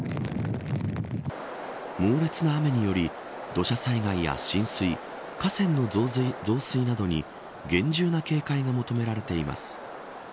猛烈な雨により土砂災害や浸水河川の増水などに厳重な警戒が求められています。